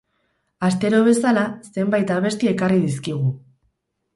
Astero bezala, zenbait abesti ekarri dizkigu.